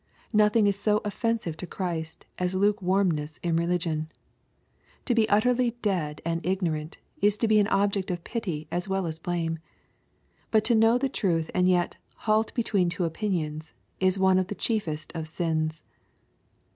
Nothing is so offensive to Christ as lukewarmness in religion. To be utterly dead and ignorant, is to be an object of pity as well as blame. But to know the truth and vet " halt between two opinions,^' is one of the chiefest of sins.